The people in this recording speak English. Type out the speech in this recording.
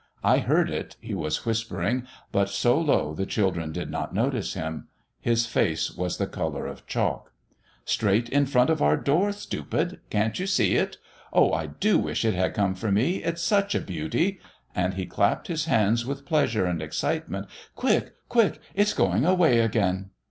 "I heard it," he was whispering, but so low the children did not notice him. His face was the colour of chalk. "Straight in front of our door, stupid! Can't you see it? Oh, I do wish it had come for me. It's such a beauty!" And he clapped his hands with pleasure and excitement. "Quick, quick! It's going away again!"